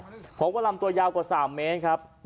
เพราะว่าลำตัวยาวกว่า๓เมตรครับ